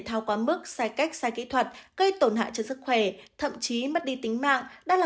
thao quá mức sai cách sai kỹ thuật gây tổn hại cho sức khỏe thậm chí mất đi tính mạng đã là